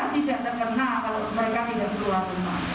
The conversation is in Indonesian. nah sehingga tidak terkena kalau mereka tidak keluar rumah